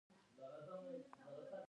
ایا ستاسو پل صراط به اسانه نه وي؟